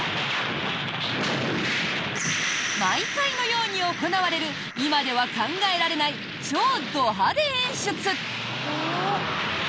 毎回のように行われる今では考えられない超ド派手演出！